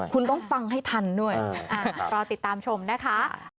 คุณต้องฟังให้ทันด้วยรอติดตามชมนะคะ